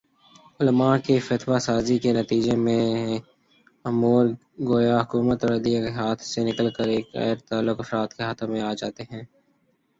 علما کی فتویٰ سازی کے نتیجے میںیہ امور گویا حکومت اورعدلیہ کے ہاتھ سے نکل کر غیر متعلق افراد کے ہاتھوں میں آجاتے ہیں